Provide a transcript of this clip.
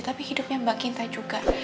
tapi hidupnya mbak kinta juga